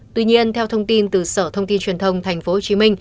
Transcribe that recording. tuy nhiên theo thông tin từ sở thông tin truyền thông tp hcm